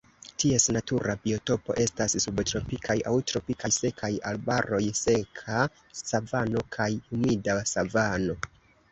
Ties natura biotopo estas subtropikaj aŭ tropikaj sekaj arbaroj, seka savano kaj humida savano.